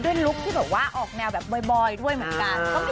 ลุคที่แบบว่าออกแนวแบบบ่อยด้วยเหมือนกัน